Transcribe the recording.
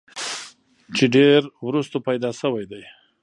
چې ډېر وروستو پېدا شوی دی